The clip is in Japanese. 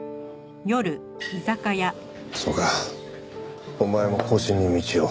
そうかお前も後進に道を。